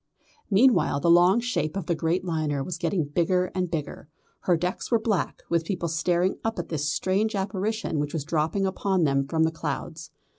Meanwhile the long shape of the great liner was getting bigger and bigger. Her decks were black, with people staring up at this strange apparition which was dropping upon them from the clouds.